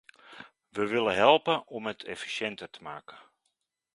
We willen helpen om het efficiënter te maken.